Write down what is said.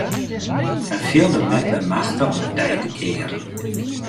Hy fielde him net by machte om it tij te kearen.